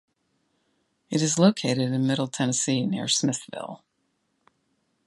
It is located in Middle Tennessee near Smithville.